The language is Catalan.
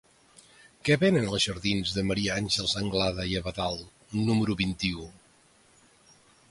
Què venen als jardins de Maria Àngels Anglada i d'Abadal número vint-i-u?